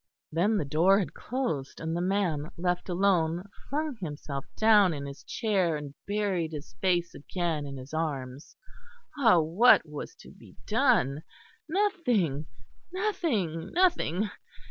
Then the door had closed; and the man, left alone, flung himself down in his chair, and buried his face again in his arms. Ah! what was to be done? Nothing, nothing, nothing.